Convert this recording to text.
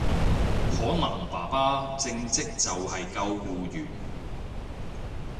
可能爸爸正職就係救護員